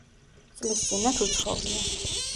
წლის წინათ უცხოვრია.